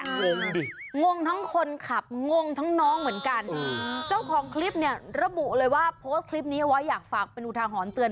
งงทั้งคนขับงงทั้งน้องเหมือนกันเจ้าของคลิปว่าอยากฝากจะเป็นอุทาหอนเตือน